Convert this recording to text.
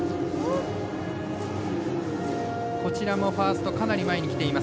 こちらもファーストかなり前にきています。